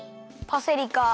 パセリか。